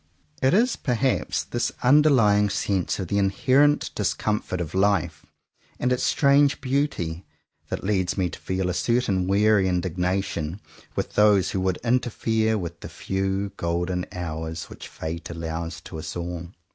It is perhaps this underlying sense of the inherent discomfort of life, and its strange beauty, that leads me to feel a certain weary indignation with those who would interfere with the few golden hours which fate allows to us all.